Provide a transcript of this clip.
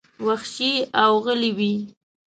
وحشي او غلي وې.